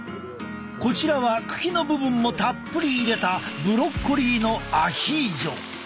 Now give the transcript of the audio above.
こちらは茎の部分もたっぷり入れたブロッコリーのアヒージョ。